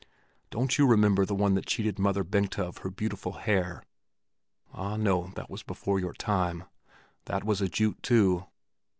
Don't you remember the one that cheated Mother Bengta of her beautiful hair? Ah, no, that was before your time. That was a Jute too.